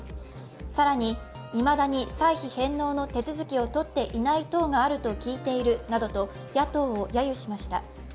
更に、いまだに歳費返納の手続きをとっていない党があると聞いているなどと野党をやゆしました。